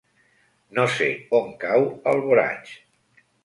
No sé on cau Alboraig.